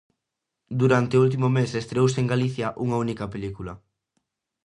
Durante o último mes estreouse en Galicia unha única película.